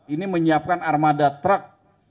ini menyiapkan armada truk